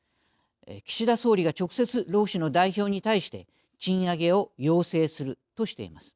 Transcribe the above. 岸田総理が直接労使の代表に対して賃上げを要請するとしています。